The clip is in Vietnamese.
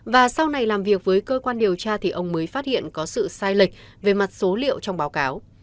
và sau này làm việc với cơ quan điều tra thì ông mới phát hiện có sự sai lệch về mặt số liệu trong báo cáo